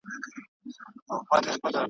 خو دا یو هم زموږ د عمر سرمنزل نه سي ټاکلای ,